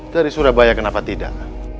dari surabaya kenapa tidak